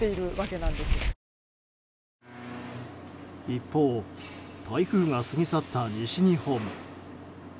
一方、台風が過ぎ去った西日本。